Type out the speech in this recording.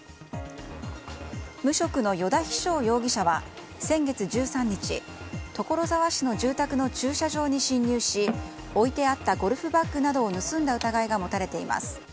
無職の依田飛翔容疑者は先月１３日所沢市の住宅の駐車場に侵入し置いてあったゴルフバッグなどを盗んだ疑いが持たれています。